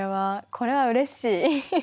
これはうれしい！